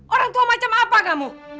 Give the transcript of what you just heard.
orang tua macam apa kamu